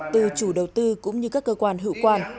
từ chủ đầu tư cũng như các cơ quan hữu quan